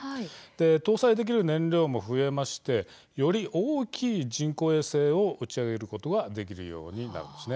搭載できる燃料も増えましてより大きい人工衛星を打ち上げることができるようになるんです。